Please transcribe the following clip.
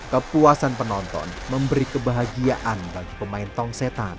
kepuasan penonton memberi kebahagiaan bagi pemain tongsetan